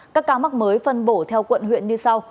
các ca mắc mới phân bổ theo quận huyện như sau